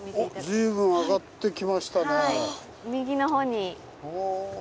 随分上がってきましたね。